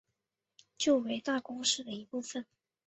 旧为大宫市的一部分。